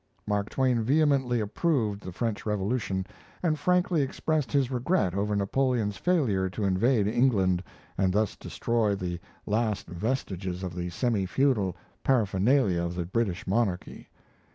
Mark Twain vehemently approved the French revolution, and frankly expressed his regret over Napoleon's failure to invade England and thus destroy the last vestiges of the semi feudal paraphernalia of the British monarchy.